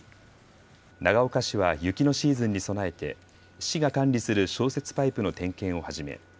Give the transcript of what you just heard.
長岡市は雪のシーズンに備えて市が管理する消雪パイプの点検を始め